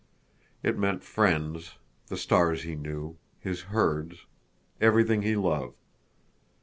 It meant friends, the stars he knew, his herds, everything he loved.